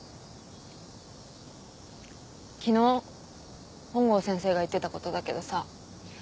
昨日本郷先生が言ってたことだけどさ